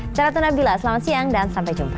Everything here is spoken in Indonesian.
saya ratna bila selamat siang dan sampai jumpa